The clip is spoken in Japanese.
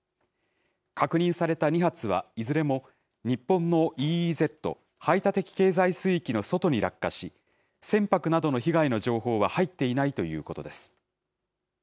確認された２発は、いずれも日本のＥＥＺ・排他的経済水域の外に落下し、船舶などの被害の情報は入っていないということです。